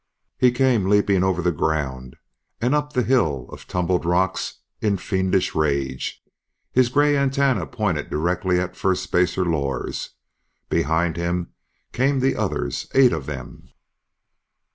He came leaping over the ground and up the hill of tumbled rocks in fiendish rage, his grey antennae pointed directly at Firstspacer Lors. Behind him came the others, eight of them.